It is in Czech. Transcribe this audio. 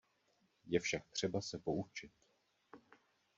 Je však třeba se poučit.